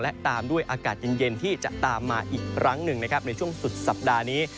และตามด้วยอากาศเย็นที่จะตามมาอีกครั้งหนึ่งนะครับในช่วงสุดสัปดาห์นี้